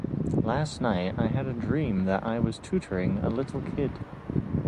Last night I had a dream that I was tutoring a little kid.